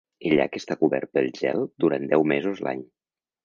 El llac està cobert pel gel durant deu mesos l'any.